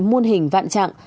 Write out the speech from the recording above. đại môn hình vạn trạng